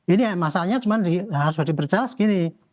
ini masalahnya cuma harus diberi jelas gini